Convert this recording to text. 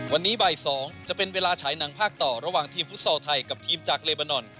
วันนี้บ่าย๒จะเป็นเวลาฉายหนังภาคต่อระหว่างทีมฟุตซอลไทยกับทีมจากเลบานอน